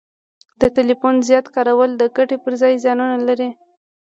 د ټلیفون زیات کارول د ګټي پر ځای زیانونه لري